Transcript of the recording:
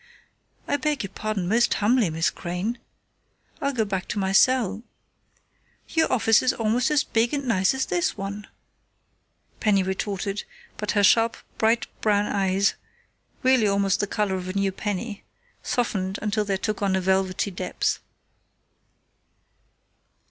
"I beg your pardon most humbly, Miss Crain. I'll go back to my cell " "Your office is almost as big and nice as this one," Penny retorted, but her sharp, bright brown eyes really almost the color of a new penny softened until they took on a velvety depth.